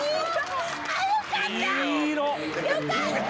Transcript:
よかった！